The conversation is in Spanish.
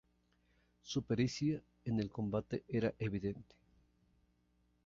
Su pericia en el combate era evidente.